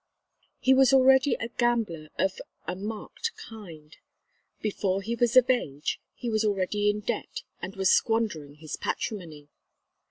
He was already a gambler of a marked kind. Before he was of age he was already in debt and was squandering his patrimony.